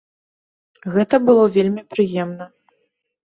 Гэта было вельмі прыемна.